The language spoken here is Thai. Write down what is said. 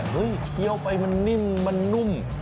เคี้ยวไปมันนิ่มมันนุ่ม